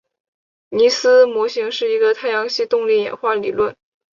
尼斯模型是一个太阳系动力演化理论。